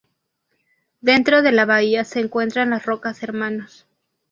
Dentro de la bahía se encuentran las Rocas Hermanos.